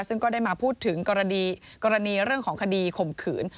ซึ่งก็ได้มาพูดถึงกรณีเรื่องของคดีข่มขืน